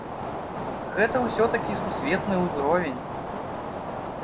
Гэта ўсё-такі сусветны ўзровень.